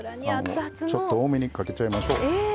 ちょっと多めにかけちゃいましょう。